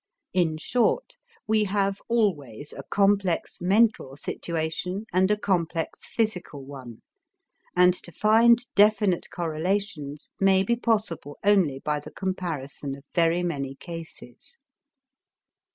In short, we have always a complex mental situation and a complex physical one, and to find definite correlations may be possible only by the comparison of very many cases.